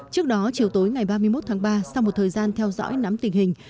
trước đó chiều tối ngày ba mươi một tháng ba sau một thời gian theo dõi nắm tình hình